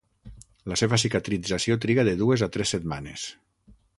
La seva cicatrització triga de dues a tres setmanes.